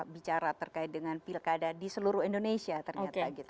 bicara terkait dengan pilkada di seluruh indonesia ternyata gitu